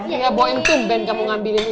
iya boyin tuh ben kamu ngambilin